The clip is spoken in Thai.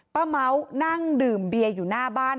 ป้าเหมานั่งดื่อมเบียนอยู่หน้าบ้าน